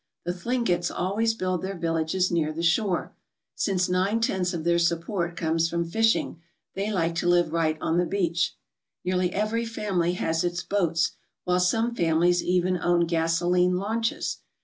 The Thlingets always build their villages near the shore; since nine tenths of their support comes from fishing, they like to live right on the beach. Nearly every family has its boats, while some families even own gasoline launches.